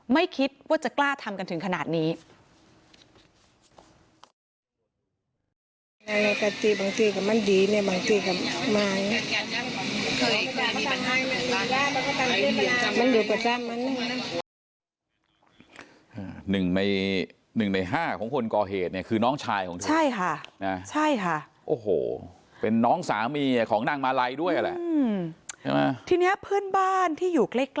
ไม่คิดว่าจะกล้าทำกันถึงขนาดนี้